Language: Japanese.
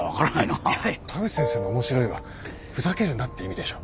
田口先生の面白いはふざけるなって意味でしょ。